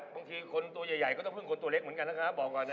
คนตัวใหญ่ก็ต้องพึ่งคนตัวเล็กเหมือนกันนะคะบอกก่อนนะ